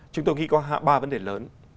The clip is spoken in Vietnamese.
chúng tôi nghĩ có ba vấn đề lớn